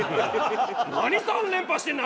何３連覇してんねん！